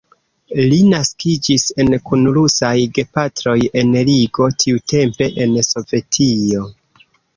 Li naskiĝis en kun rusaj gepatroj en Rigo, tiutempe en Sovetio.